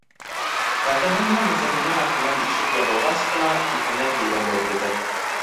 Атаһы менән әсәһенең артынан ишек ябылғас ҡына иҫенә килгәндәй булды.